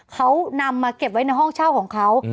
เขานำมาเก็บไว้ในห้องเช่าของเขา